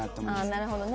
なるほどね。